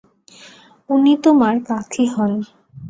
উনি তোমার কাকি হন।